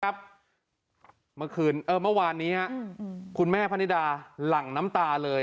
ครับเมื่อคืนเอ่อเมื่อวานนี้ฮะอืมอืมอืมคุณแม่พะนิดาหลั่งน้ำตาเลย